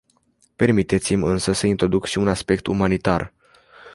Permiteți-mi însă să introduc și un aspect umanitar.